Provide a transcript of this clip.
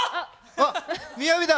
あっ雅だ！